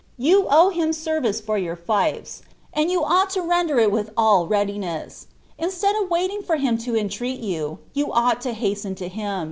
You owe him service for your fiefs, and you ou^l M Tender it with all readiness. Instead of waiting for him to entreat yOQ. you ought to haxten to him.